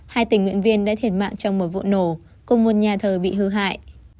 hai tình nguyện viên đã thiệt mạng trong một vụ nổ cùng một nhà thờ bị hư hại